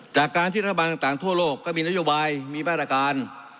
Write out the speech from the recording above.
จากการที่รัฐบาลต่างทั่วโลกก็มีนโยบายมีมาตรการ